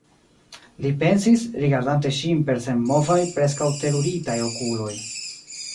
li pensis, rigardante ŝin per senmovaj, preskaŭ teruritaj okuloj.